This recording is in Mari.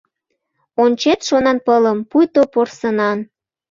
Ончет шонанпылым — пуйто порсынан